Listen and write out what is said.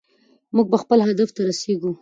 موږ به خپل هدف ته رسیږو.